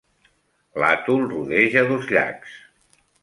L'atol rodeja dos llacs.